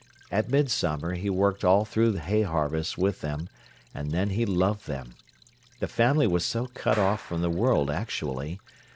At midsummer he worked all through hay harvest with them, and then he loved them. The family was so cut off from the world actually.